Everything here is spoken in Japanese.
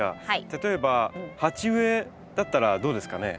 例えば鉢植えだったらどうですかね？